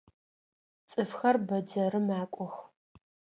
Цӏыфхэр бэдзэрым макӏох.